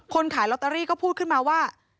ขายลอตเตอรี่ก็พูดขึ้นมาว่า